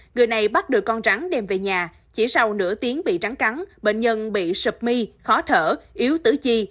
người này bắt được con rắn đem về nhà chỉ sau nửa tiếng bị rắn cắn bệnh nhân bị sập my khó thở yếu tử chi